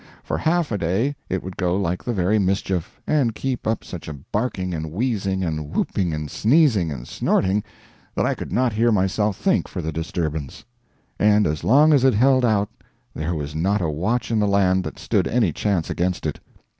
For half a day it would go like the very mischief, and keep up such a barking and wheezing and whooping and sneezing and snorting, that I could not hear myself think for the disturbance; and as long as it held out there was not a watch in the land that stood any chance against it.